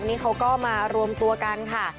นี่เขาก็มารวมตัวกันค่ะ